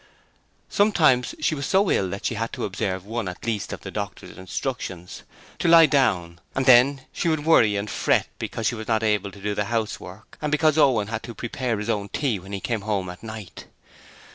Sometimes she was so ill that she had to observe one at least of the doctor's instructions to lie down: and then she would worry and fret because she was not able to do the housework and because Owen had to prepare his own tea when he came home at night.